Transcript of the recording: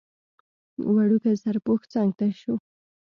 وړوکی سرپوښ څنګ ته شو.